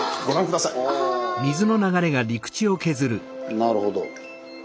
なるほど。